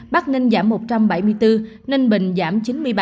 bắc ninh giảm một trăm bảy mươi bốn ninh bình giảm chín mươi ba